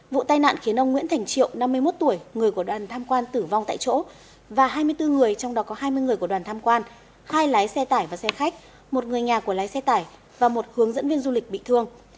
vụ tai nạn khiến ông nguyễn thành triệu năm mươi một tuổi người của đoàn tham quan tử vong tại chỗ và hai mươi bốn người trong đó có hai mươi người của đoàn tham quan hai lái xe tải và xe khách một người nhà của lái xe tải và một hướng dẫn viên du lịch bị thương